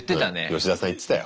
ヨシダさん言ってたよ。